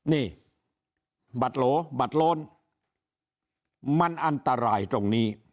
นี่บัตรโหลบัตรโล้นมันอันตรายตรงนี้